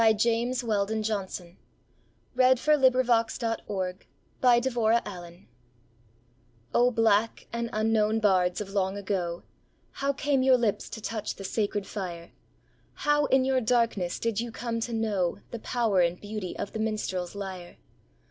James Weldon Johnson O Black and Unknown Bards O BLACK and unknown bards of long ago, How came your lips to touch the sacred fire? How, in your darkness, did you come to know The power and beauty of the minstrel's lyre?